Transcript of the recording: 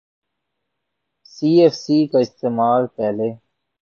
سی F C کا استعمال پہلے